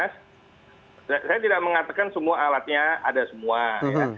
saya tidak mengatakan semua alatnya ada semua ya